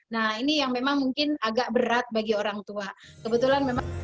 nah ini yang memang mungkin agak berat bagi orang tua kebetulan memang